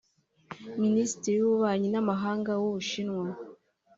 Minisitiri w’Ububanyi n’Amahanga w’u Bushinwa